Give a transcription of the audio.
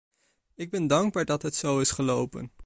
Ik ben dankbaar dat het zo is gelopen.